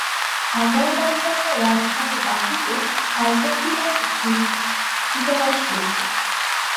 আজারবাইজানের রাজধানী বাকুতে আর্জেন্টিনার একটি দূতাবাস রয়েছে।।